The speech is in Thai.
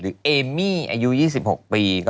หรือเอมี่อายุ๒๖ปี